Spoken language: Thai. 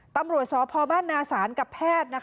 ตำรวจสพบ้านนาศาลกับแพทย์